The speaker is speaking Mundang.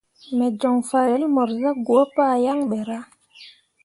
Me joŋ farel mor zah gwǝǝ pah yaŋ ɓe ra.